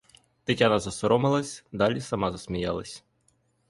Тетяна засоромилась, далі сама засміялась.